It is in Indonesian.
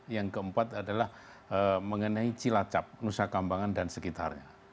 yang keempat adalah mengenai cilacap nusa kambangan dan sekitarnya